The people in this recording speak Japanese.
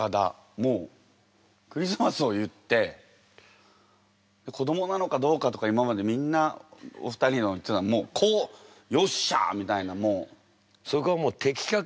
もうクリスマスを言って子どもなのかどうかとか今までみんなお二人の言ってたのに「子よっしゃあ」みたいなもう。